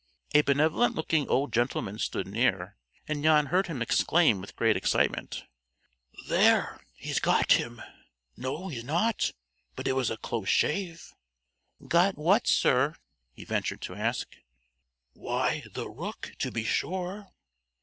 A benevolent looking old gentleman stood near, and Jan heard him exclaim with great excitement: "There, he's got him! No, he's not; but it was a close shave!" "Got what, sir?" he ventured to ask. "Why, the rook, to be sure."